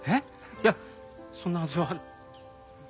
いやそんなはずは。